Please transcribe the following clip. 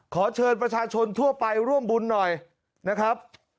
ขอเชิญประชาชนทั่วไปร่วมบุญหน่อยนะครับ